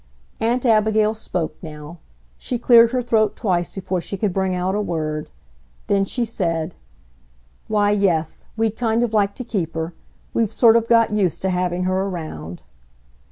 Aunt Abigail spoke now. She cleared her throat twice before she could bring out a word. Then she said, "Why, yes, we'd kind of like to keep her. We've sort of got used to having her around."